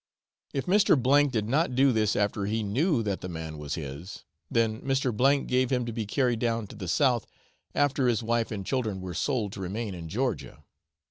If Mr. K did not do this after he knew that the man was his, then Mr. gave him to be carried down to the South after his wife and children were sold to remain in Georgia.